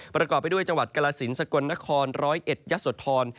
ประกอบไปด้วยจังหวัดกรสินสกลนคร๑๐๑ยะโสธร